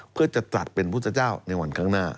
เพื่อจะตรัสเป็นพุทธเจ้าในวันข้างหน้า